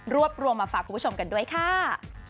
รวบรวมมาฝากคุณผู้ชมกันด้วยค่ะ